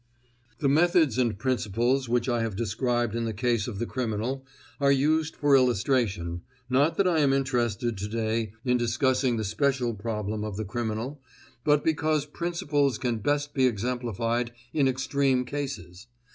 The methods and principles which I have described in the case of the criminal are used for illustration, not that I am interested today in discussing the special problem of the criminal, but because principles can best be exemplified in extreme cases.